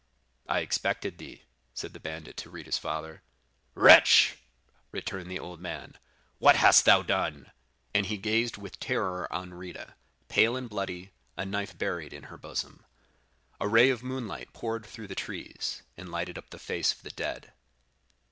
"'I expected thee,' said the bandit to Rita's father. "'Wretch!' returned the old man, 'what hast thou done?' and he gazed with terror on Rita, pale and bloody, a knife buried in her bosom. A ray of moonlight poured through the trees, and lighted up the face of the dead.